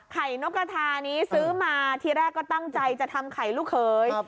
นกกระทานี้ซื้อมาทีแรกก็ตั้งใจจะทำไข่ลูกเขย